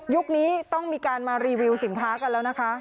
นี้ต้องมีการมารีวิวสินค้ากันแล้วนะคะ